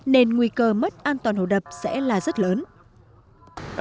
nên nguy cơ mất an toàn hồ đập sẽ là rất lớn